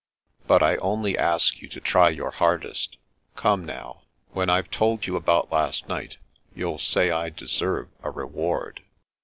" But I only ask you to try your hardest Come now, when I've told you about last night, you'll say I deserve a reward."